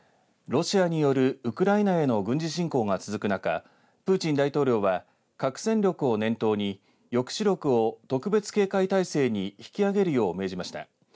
ロシアによるウクライナへの軍事侵攻が続く中プーチン大統領は核戦力を念頭に抑止力を特別警戒態勢に引き上げるよう命じました。